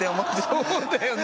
そうだよね。